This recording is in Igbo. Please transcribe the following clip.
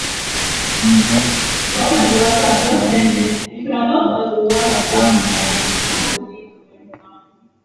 mgbọ égbè karịrị puku abụọ n'ọnụọgụgụ